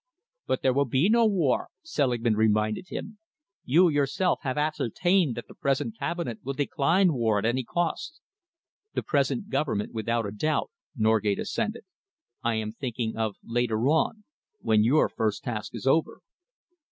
"But there will be no war," Selingman reminded him. "You yourself have ascertained that the present Cabinet will decline war at any cost." "The present Government, without a doubt," Norgate assented. "I am thinking of later on, when your first task is over."